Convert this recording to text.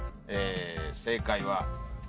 正解は。